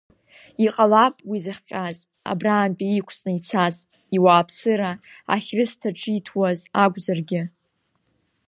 Иҟалап, уи зыхҟьаз, абрантәи иқәҵны ицаз иуааԥсыра ахьрышьҭаҿиҭуаз акәзаргьы.